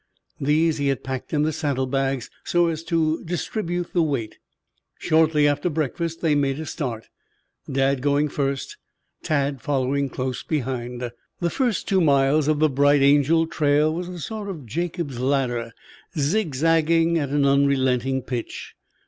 These he had packed in the saddle bags so as to distribute the weight. Shortly after breakfast they made a start, Dad going first, Tad following close behind. The first two miles of the Bright Angel Trail was a sort of Jacob's ladder, zigzagging at an unrelenting pitch.